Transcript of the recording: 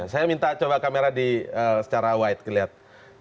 saya minta coba kamera secara white kelihatan